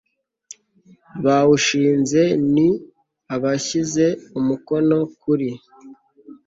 bawushinze ni abashyize umukono kuri